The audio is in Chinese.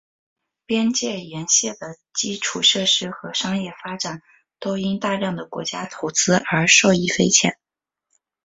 边界沿线的基础设施和商业发展都因大量的国家投资而受益匪浅。